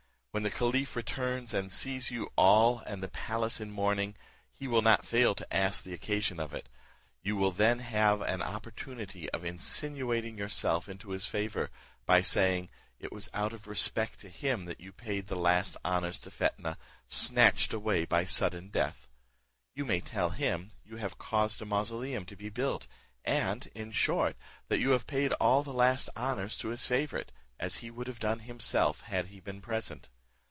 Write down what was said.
When the caliph returns, and sees you all and the palace in mourning, he will not fail to ask the occasion of it. You will then have an opportunity of insinuating yourself into his favour, by saying, it was out of respect to him that you paid the last honours to Fetnah, snatched away by sudden death. You may tell him, you have caused a mausoleum to be built, and, in short, that you have paid all the last honours to his favourite, as he would have done himself had he been present.